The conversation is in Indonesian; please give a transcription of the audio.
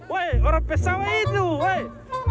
weh orang pesawai itu weh